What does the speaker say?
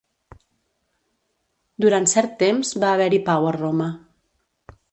Durant cert temps, va haver-hi pau a Roma.